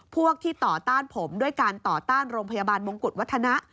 พวกที่ต่อต้านผมด้วยการต่อต้านโรงพยาบาลมงกุฎวัฒนะ